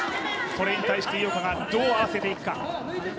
それに対して井岡がどう合わせていくか。